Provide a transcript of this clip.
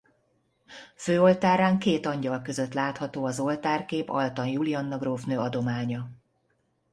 Főoltárán két angyal között látható az oltárkép Althan Julianna grófnő adománya.